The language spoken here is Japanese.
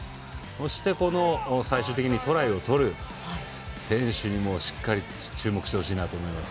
そして、最終的にトライをとる選手にもしっかりと注目してほしいなと思います。